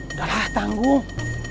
udah lah tanggung